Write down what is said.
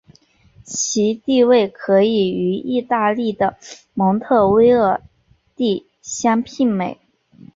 其地位可以与意大利的蒙特威尔第相媲美。